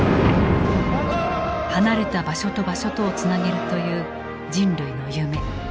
離れた場所と場所とをつなげるという人類の夢。